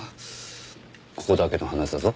ここだけの話だぞ。